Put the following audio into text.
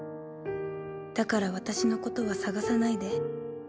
だから私のことは探さないで。